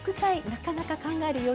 なかなか考える余裕が。